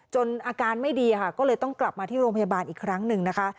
อาการไม่ดีค่ะก็เลยต้องกลับมาที่โรงพยาบาลอีกครั้งหนึ่งนะคะ